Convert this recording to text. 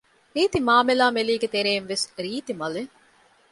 ރީތި މާމެލާމެލީގެ ތެރެއިން ވެސް ރީތި މަލެއް